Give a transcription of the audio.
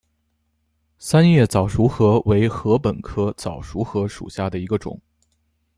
三叶早熟禾为禾本科早熟禾属下的一个种。